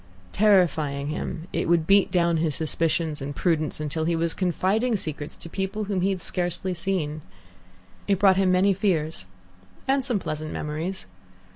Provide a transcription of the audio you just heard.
Terrifying him, it would beat down his suspicions and prudence until he was confiding secrets to people whom he had scarcely seen. It brought him many fears and some pleasant memories.